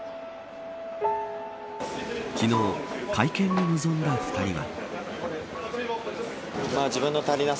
昨日、会見に臨んだ２人は。